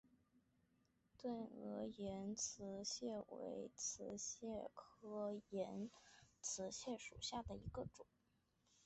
钝额岩瓷蟹为瓷蟹科岩瓷蟹属下的一个种。